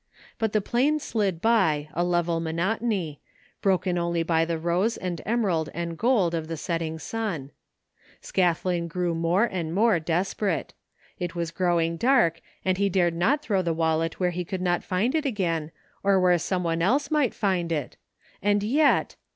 But the plain slid by, a level monotony, broken only by the rose and emerald and gold of the setting sun. Scathlin grew more and more desperate. It was growing dark, and he dared not throw the wallet where he could not find it again, or where someone else might find it — and yet!